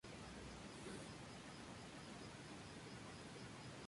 No terminó con sus vidas, pero sin embargo rápidamente empezarán a notar ciertos cambios.